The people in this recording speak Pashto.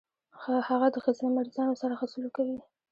هغه د ښځينه مريضانو سره ښه سلوک کوي.